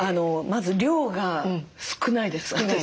まず量が少ないです私。